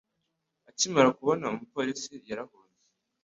Akimara kubona umupolisi, yarahunze.